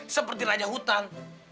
seperti raja hutang